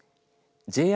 ＪＲ